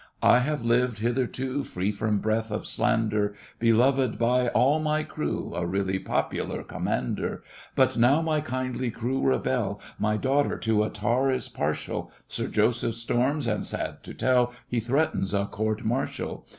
I have lived hitherto Free from breath of slander, Beloved by all my crew— A really popular commander. But now my kindly crew rebel, My daughter to a tar is partial, Sir Joseph storms, and, sad to tell, He threatens a court martial!